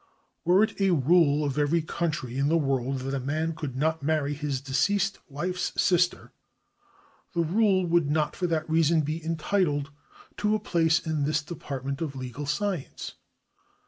Were it a rule of every country in the world that a man could not marry his de ceased wife's sister, the rule would not for that reason be entitled to a place in this department of legal science.